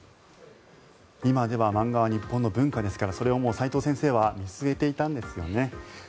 今では漫画は日本の文化ですからそれをさいとう先生は見据えていたんですよね。